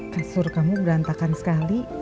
kasur kamu berantakan sekali